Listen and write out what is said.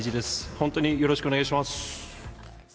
本当によろしくお願いします。